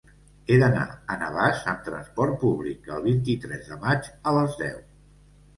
He d'anar a Navàs amb trasport públic el vint-i-tres de maig a les deu.